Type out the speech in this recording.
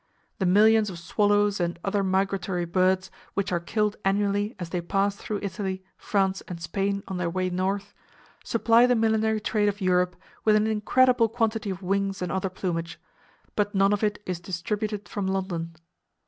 … The millions of swallows and other migratory birds which are killed annually as they pass through Italy, France and Spain on their way north, supply the millinery trade of Europe with an incredible quantity of wings and other plumage, but none of it is distributed from London.